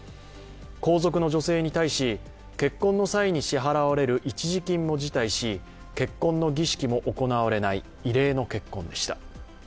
皇族の女性に対し結婚の際に支払われる一時金も辞退し結婚の儀式も行われない異例の結婚でした。